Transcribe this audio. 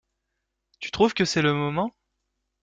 Tu trouves que c’est le moment?